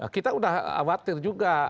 kita sudah khawatir juga